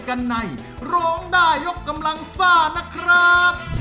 กันในร้องได้ยกกำลังซ่านะครับ